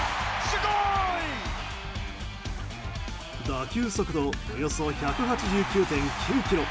打球速度およそ１８９．９キロ。